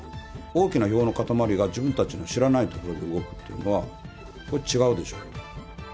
大きな票の固まりが自分たちの知らないところで動くっていうのは、違うでしょ。